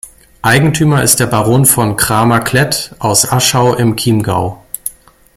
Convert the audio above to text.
Eigentümer ist der Baron von Cramer-Klett aus Aschau im Chiemgau.